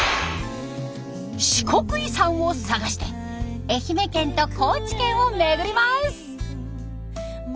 四国遺産を探して愛媛県と高知県を巡ります！